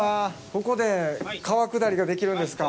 ここで川下りができるんですか。